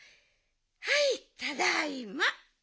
はいただいま。